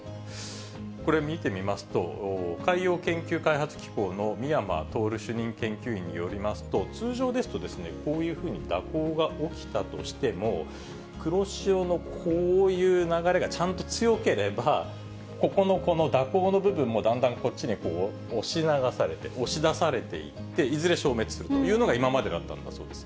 これ、見てみますと、海洋研究開発機構の美山透主任研究員によりますと、通常ですと、こういうふうに蛇行が起きたとしても、黒潮のこういう流れがちゃんと強ければ、ここのこの蛇行の部分もだんだんこっちにこう、押し流されて、押し出されていって、いずれ消滅するというのが今までだったんだそうです。